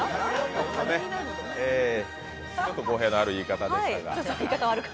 ちょっと語弊のある言い方でしたが。